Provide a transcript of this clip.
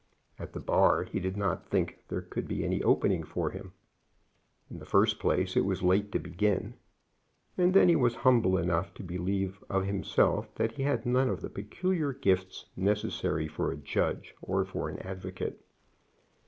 At the Bar he did not think that there could be any opening for him. In the first place, it was late to begin; and then he was humble enough to believe of himself that he had none of the peculiar gifts necessary for a judge or for an advocate.